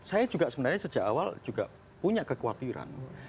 saya juga sebenarnya sejak awal juga punya kekhawatiran